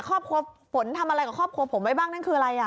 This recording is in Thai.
ครอบครัวฝนทำอะไรกับครอบครัวผมไว้บ้างนั่นคืออะไรอ่ะ